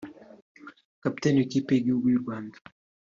kapiteni w’ikipe y’igihugu y’ u Rwanda